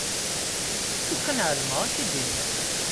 Lukan ɛelmeɣ ad k-d-iniɣ.